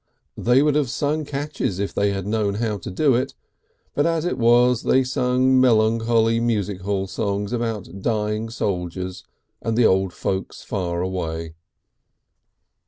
They would have sung catches if they had known how to do it, but as it was they sang melancholy music hall songs about dying soldiers and the old folks far away.